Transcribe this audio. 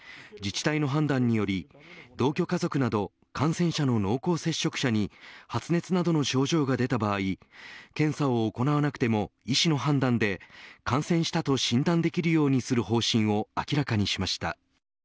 自治体の判断により同居家族など感染者の濃厚接触者に発熱などの症状が出た場合検査を行わなくても医師の判断で感染したと診断できるようにする方針を明らかにしました。